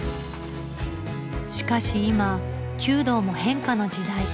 しかし今弓道も変化の時代。